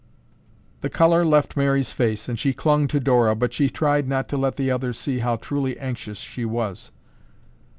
The color left Mary's face and she clung to Dora, but she tried not to let the others see how truly anxious she was.